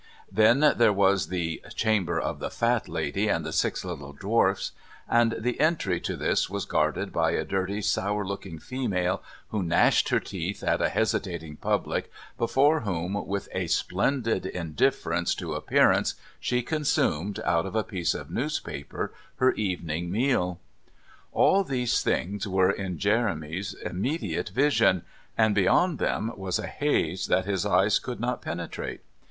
Then there was the "Chamber of the Fat Lady and the Six Little Dwarfs," and the entry to this was guarded by a dirty sour looking female who gnashed her teeth at a hesitating public, before whom, with a splendid indifference to appearance, she consumed, out of a piece of newspaper, her evening meal. All these things were in Jeremy's immediate vision, and beyond them was a haze that his eyes could not penetrate.